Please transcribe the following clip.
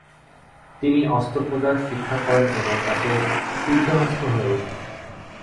তিনি অস্ত্রপচার শিক্ষা করেন এবং তাতে সিদ্ধহস্ত হয়ে ওঠেন।